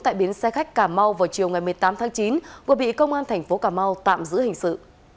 tại biến xe khách cà mau vào chiều ngày một mươi tám tháng chín vừa bị công an thành phố cà mau tạm giữ hình sự